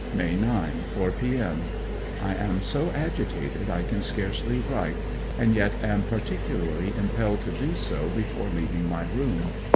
May 9. Four p.m. I am so agitated I can scarcely write, and yet am particularly impelled to do so before leaving my room.